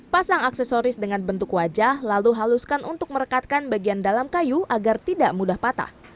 pasang aksesoris dengan bentuk wajah lalu haluskan untuk merekatkan bagian dalam kayu agar tidak mudah patah